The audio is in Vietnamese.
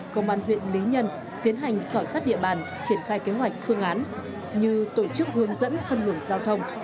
công an huyện lý nhân tiến hành khảo sát địa bàn triển khai kế hoạch phương án như tổ chức hướng dẫn phân luận giao thông